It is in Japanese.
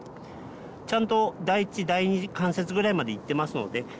ちゃんと第一第二関節ぐらいまでいってますので。